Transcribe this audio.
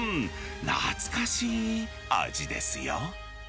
懐かしい味ですよ。